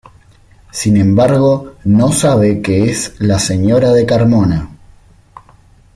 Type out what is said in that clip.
Sin embargo, no sabe que es la señora de Carmona.